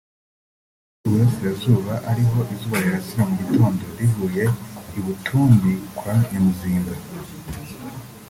Hari i Burasirazuba ari ho izuba rirasira mu gitondo rivuye I Butumbi kwa Nyamuzinda